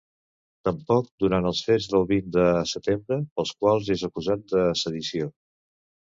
Tampoc durant els fets del vint de setembre, pels quals és acusat de sedició.